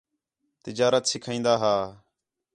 تجارت سِکھین٘دا ہا